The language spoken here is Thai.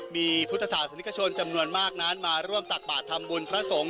มีพุทธศาสนิกชนจำนวนมากนั้นมาร่วมตักบาททำบุญพระสงฆ์